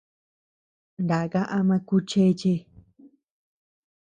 Naka ama kú chéche.